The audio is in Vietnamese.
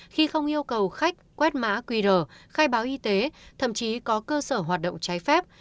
khi không yêu cầu khách quét mã qr khai báo y tế thậm chí có cơ sở hoạt động trái phép